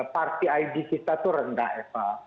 parti id kita itu rendah eva